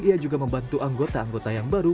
ia juga membantu anggota anggota yang baru